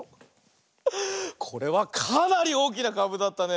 これはかなりおおきなかぶだったね。